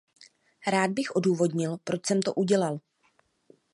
Rád bych odůvodnil, proč jsem to udělal.